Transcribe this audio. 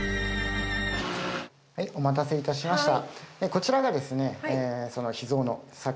はいお待たせいたしました。